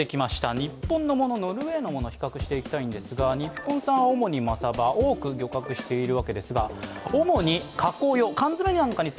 日本のもの、ノルウェーのものを比較していきたいんですが、日本産は主にマサバ、多く漁獲しています。